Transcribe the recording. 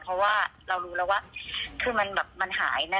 เพราะว่าเรารู้แล้วว่าคือมันหายแน่